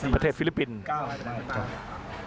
ประเทศฟิลิปปินท์